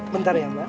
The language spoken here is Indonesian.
bentar ya mbak